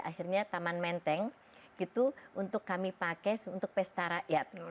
akhirnya taman menteng gitu untuk kami pakai untuk pesta rakyat